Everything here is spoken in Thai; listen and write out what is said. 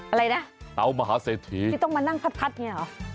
อะไรนะเตามหาเศรษฐีที่ต้องมานั่งพัดเนี่ยเหรอ